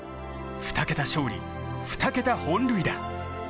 ２桁勝利・２桁本塁打。